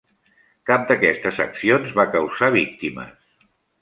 Cap d'aquestes accions va causar víctimes.